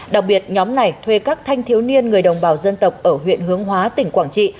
đặc biệt nhóm này thuê các thanh thiếu niên người đồng bào dân tộc ở huyện hướng hóa tỉnh quảng trị